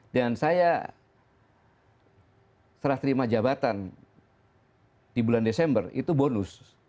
dan saya serah terima jabatan di bulan desember itu bonus